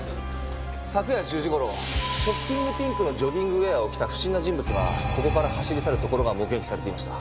昨夜１０時頃ショッキングピンクのジョギングウェアを着た不審な人物がここから走り去るところが目撃されていました。